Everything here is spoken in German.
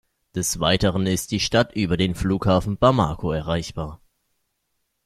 Des Weiteren ist die Stadt über den Flughafen Bamako erreichbar.